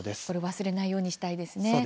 忘れないようにしたいです。